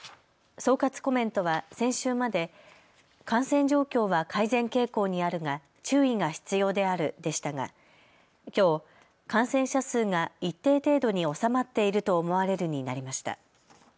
総括コメントは先週まで感染状況は改善傾向にあるが注意が必要であるでしたがきょう、感染者数が一定程度に収まっていると思われるになりました。